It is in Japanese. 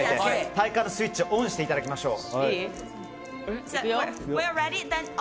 体幹のスイッチをオンしていきましょう。